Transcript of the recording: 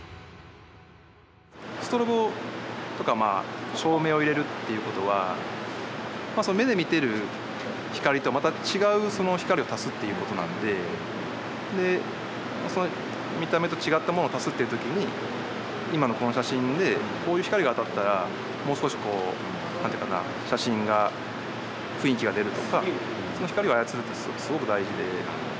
ストロボとかまあ照明を入れるっていうことはまあその目で見てる光とまた違う光を足すっていうことなんでで見た目と違ったものを足すっていう時に今のこの写真でこういう光が当たったらもう少しこう何ていうかな写真が雰囲気が出るとかその光を操るってすごく大事で。